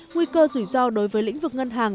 nguy cơ rủi ro đối với lĩnh vực ngân hàng